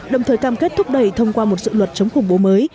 đồng thời cam kết thúc đẩy thông qua một dự luật chống khủng bố mới